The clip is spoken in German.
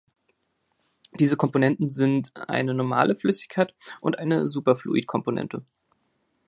Diese Komponenten sind eine normale Flüssigkeit und eine Superfluidkomponente.